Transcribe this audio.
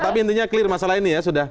tapi intinya clear masalah ini ya